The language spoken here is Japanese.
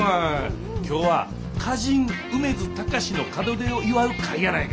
今日は歌人梅津貴司の門出を祝う会やないか！